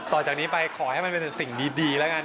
ต่อจากนี้ไปขอให้มันเป็นสิ่งดีแล้วกัน